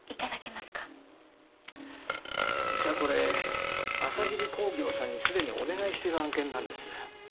実はこれ朝霧工業さんに既にお願いしている案件なんです。